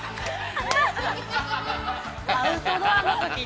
◆アウトドアのときに。